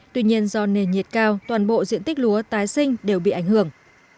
tuy nhiên do nền nhiệt cao toàn bộ diện tích lúa tái sinh đều bị ảnh hưởng